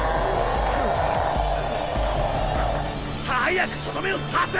早くとどめを刺せ！